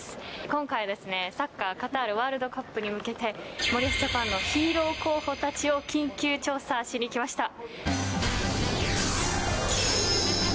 今回、サッカーカタールワールドカップに向けて森保ジャパンのヒーロー候補たちを緊急調査しに来ました。